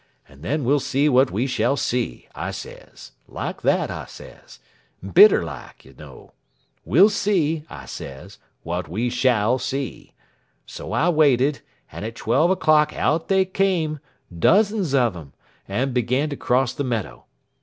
And then we'll see what we shall see,' I sez. Like that, I sez. Bitter like, yer know. 'We'll see,' I sez, 'what we shall see.' So I waited, and at twelve o'clock out they came, dozens of them, and began to cross the meadow.